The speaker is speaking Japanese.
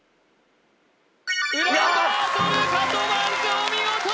お見事！